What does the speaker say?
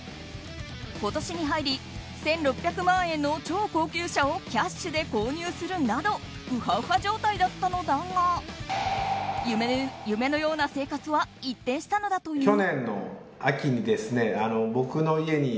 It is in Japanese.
今年に入り１６００万円の超高級車をキャッシュで購入するなどウハウハ状態だったのだが夢のような生活は一転したのだという。